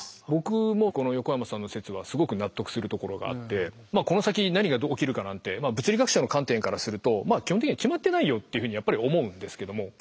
僕もこの横山さんの説はすごく納得するところがあってまあこの先何が起きるかなんて物理学者の観点からすると基本的に決まってないよっていうふうにやっぱり思うんですけども。